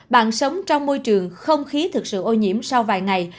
bạn sống trong môi trường không khí thực sự ô nhiễm sau vài ngày